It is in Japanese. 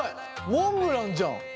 モンブランじゃん。